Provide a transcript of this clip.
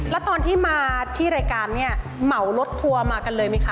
แล้วตอนที่มาที่รายการเนี่ยเหมารถทัวร์มากันเลยไหมคะ